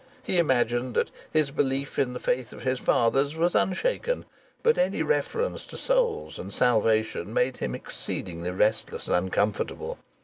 He imagined that his belief in the faith of his fathers was unshaken, but any reference to souls and salvation made him exceedingly restless and uncomfortable.